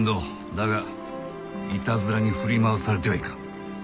だがいたずらに振り回されてはいかん。